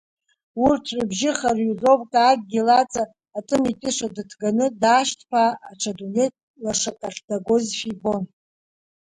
Урҭ рыбжьы Хариузовка адгьыл аҵа атымитыша дыҭганы, даашьҭԥаа аҽа дунеи лашак ахь дагозшәа ибон.